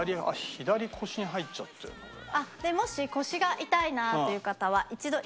左腰に入っちゃってるなこれ。